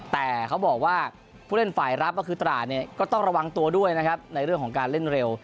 แต่เขาบอกว่าผู้เล่นฝ่ายรับก็คือตราดเนี่ยก็ต้องระวังตัวด้วยนะครับในเรื่องของการเล่นเร็ว